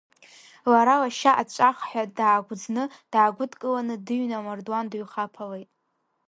Лара лашьа аҵәахҳәа даагәыӡны, даагәыдкыланы, дыҩны амардуан дыҩхаԥалеит.